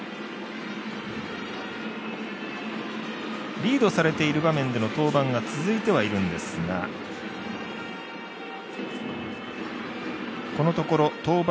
リードされている場面での登板が続いてはいるんですがこのところ登板